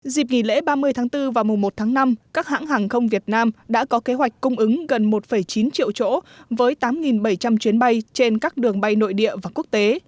dịp nghỉ lễ ba mươi tháng bốn và mùa một tháng năm các hãng hàng không việt nam đã có kế hoạch cung ứng gần một chín triệu chỗ với tám bảy trăm linh chuyến bay trên các đường bay nội địa và quốc tế